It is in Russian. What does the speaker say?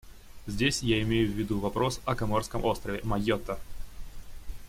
Здесь я имею в виду вопрос о коморском острове Майотта.